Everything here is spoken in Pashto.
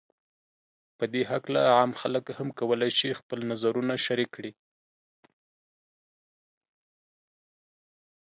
په دې هکله عام خلک هم کولای شي خپل نظرونو شریک کړي